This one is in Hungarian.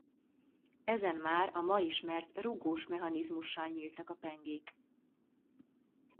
Ezen már a ma ismert rugós mechanizmussal nyíltak a pengék.